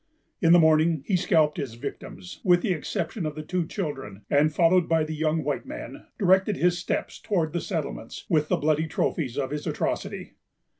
In the morning, he scalped his victims, with the exception of the two children, and, followed by the young white man, directed his steps towards the settlements, with the bloody trophies of his atrocity.